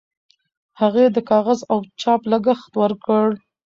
هغې د کاغذ او چاپ لګښت ورکړ.